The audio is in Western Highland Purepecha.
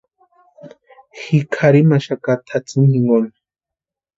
Ji kʼarhimaxaka tʼatsïni jinkoni.